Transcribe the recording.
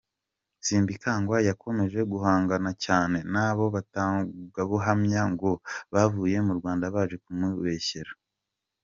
Simbikangwa yakomeje guhangana cyane n’abo batangabuhamya ngo “bavuye mu Rwanda baje kumubeshyera.